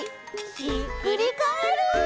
ひっくりカエル！